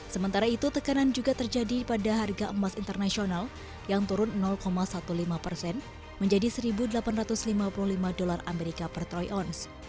sementara itu tekanan juga terjadi pada harga emas internasional yang turun lima belas persen menjadi satu delapan ratus lima puluh lima dolar amerika per troy ounce